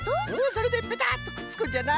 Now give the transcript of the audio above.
それでペタッとくっつくんじゃな。